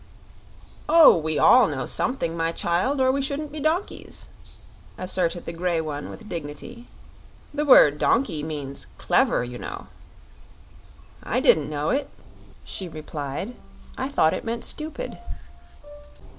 "Oh, we all know something, my child, or we shouldn't be donkeys," asserted the grey one, with dignity. "The word 'donkey' means 'clever,' you know." "I didn't know it," she replied. "I thought it meant 'stupid'."